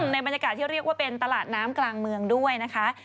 ในบรรยากาศที่เรียกว่าเป็นตลาดน้ำกลางเมืองด้วยนะคะ